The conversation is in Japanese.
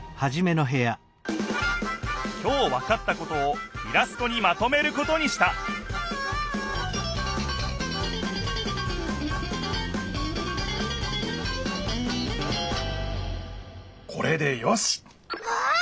きょうわかったことをイラストにまとめることにしたこれでよしっ！